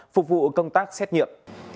phục vụ công tác xét nghiệm